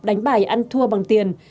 đánh bài ăn thua bằng tiền